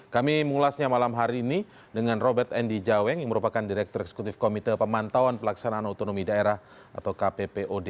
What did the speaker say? kami mengulasnya malam hari ini dengan robert endi jaweng yang merupakan direktur eksekutif komite pemantauan pelaksanaan otonomi daerah atau kppod